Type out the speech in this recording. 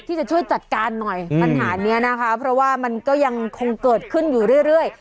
ที่จะช่วยจัดการหน่อยปัญหานี้นะคะเพราะว่ามันก็ยังคงเกิดขึ้นอยู่เรื่อย